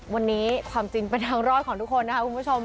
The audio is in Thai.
วันนี้ความจริงเป็นทางรอดของทุกคนนะคะคุณผู้ชม